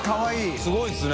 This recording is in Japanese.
すごいですね。